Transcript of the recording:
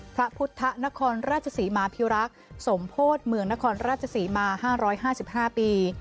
พระพุทธนครราชศรีมาพิรักษ์สมโพธิเมืองนครราชศรีมา๕๕ปี